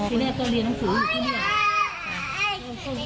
ที่แรกก็เรียนหนังสืออยู่ที่นี่แหละ